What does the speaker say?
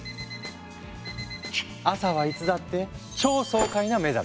朝はいつだって超爽快な目覚め。